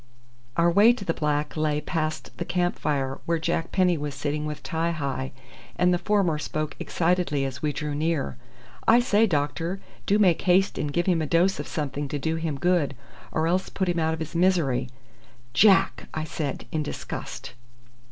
Our way to the black lay past the camp fire, where Jack Penny was sitting with Ti hi, and the former spoke excitedly as we drew near: "I say, doctor, do make haste and give him a dose of something to do him good, or else put him out of his misery." "Jack!" I said in disgust.